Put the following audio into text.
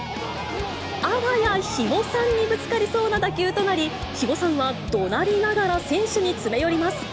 あわや肥後さんにぶつかりそうな打球となり、肥後さんはどなりながら、選手に詰め寄ります。